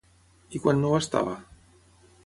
I quan no ho estava?